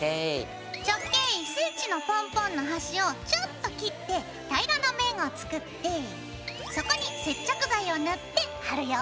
直径１ｃｍのポンポンのはしをちょっと切って平らな面を作ってそこに接着剤を塗って貼るよ。